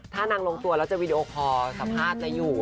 ถ้านางลงตัวแล้วจะวีดีโอคอร์สภาพจะอยู่